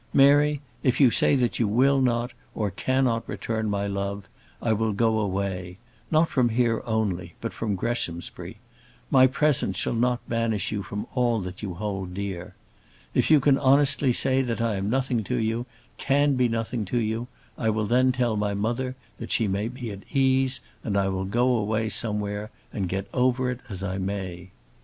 Mary, if you say that you will not, or cannot return my love, I will go away; not from here only, but from Greshamsbury. My presence shall not banish you from all that you hold dear. If you can honestly say that I am nothing to you, can be nothing to you, I will then tell my mother that she may be at ease, and I will go away somewhere and get over it as I may."